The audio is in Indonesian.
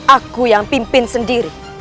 aku yang pimpin sendiri